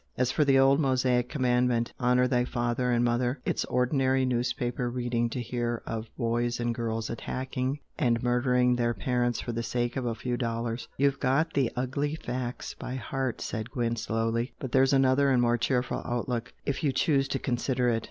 As for the old Mosaic commandment 'Honour thy father and mother' it's ordinary newspaper reading to hear of boys and girls attacking and murdering their parents for the sake of a few dollars." "You've got the ugly facts by heart" said Gwent slowly "But there's another and more cheerful outlook if you choose to consider it.